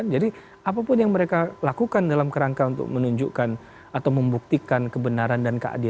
jadi apapun yang mereka lakukan dalam kerangka untuk menunjukkan atau membuktikan kebenaran dan keadilan